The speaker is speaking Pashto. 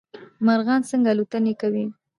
مارغان څنګه الوتنې کوی